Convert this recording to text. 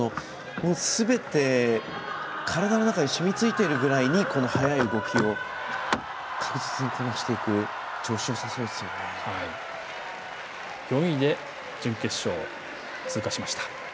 すべて体の中にしみついているぐらいにこの速い動きを確実にこなしていく４位で準決勝通過しました。